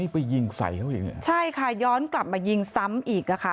ไปยิงใส่เขาอีกเนี่ยใช่ค่ะย้อนกลับมายิงซ้ำอีกอ่ะค่ะ